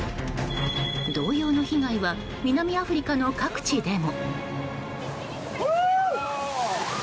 同様の被害は南アフリカの各地でも。